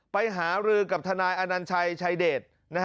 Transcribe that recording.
หารือกับทนายอนัญชัยชายเดช